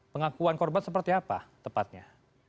pengakuan korban seperti apa tepatnya